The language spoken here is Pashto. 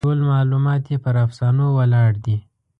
ټول معلومات یې پر افسانو ولاړ دي.